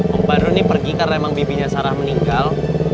om badu ini pergi karena memang bibinya sarah meninggal